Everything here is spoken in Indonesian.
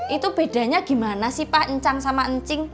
itu bedanya gimana sih pak encang sama encing